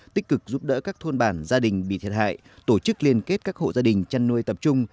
tích cực giúp đỡ các thôn bản gia đình bị thiệt hại tổ chức liên kết các hộ gia đình chăn nuôi tập trung